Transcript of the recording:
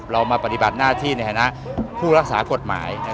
เรามาปฏิบัติหน้าที่ในฐานะผู้รักษากฎหมาย